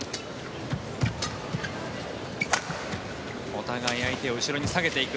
お互い相手を後ろに下げていく。